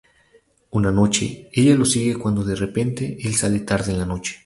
Una noche, ella lo sigue cuando de repente el sale tarde en la noche.